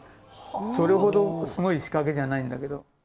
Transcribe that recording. それほどすごい仕掛けじゃないんだけど。